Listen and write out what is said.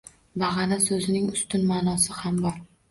“Bag‘ana” so‘zining “ustun” ma’nosi ham bor.